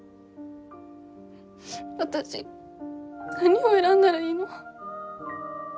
私何を選んだらいいの？